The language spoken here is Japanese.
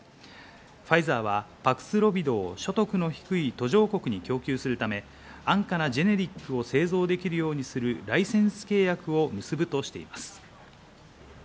ファイザーはパクスロビドを所得の低い途上国に供給するため安価なジェネリックを製造できるようにするライセンス契約を結ぶとしています。